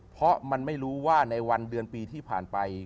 เพราะมันไม่รู้ว่าในวันเดือนปีที่ผ่านไป